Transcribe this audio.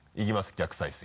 逆再生。